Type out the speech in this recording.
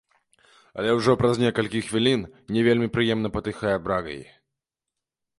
Але ўжо праз некалькі хвілін не вельмі прыемна патыхае брагай.